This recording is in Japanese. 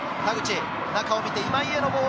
中を見て今井へのボール。